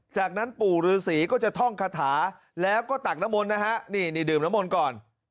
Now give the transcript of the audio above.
จากนั้นปู่ฤษีก็จะท่องคาถาแล้วก็ตักน้ำมนต์นะฮะนี่นี่ดื่มน้ำมนต์ก่อน